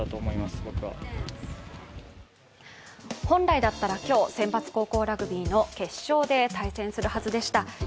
本来だったら今日、選抜高校ラグビーの決勝で対戦するはずでした。